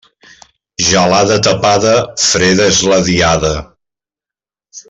Gelada tapada, freda és la diada.